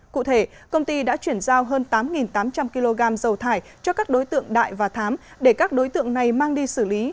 cụ thể công ty đã chuyển giao hơn tám tám trăm linh kg dầu thải cho các đối tượng đại và thám để các đối tượng này mang đi xử lý